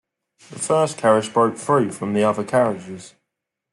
The first carriage broke free from the other carriages.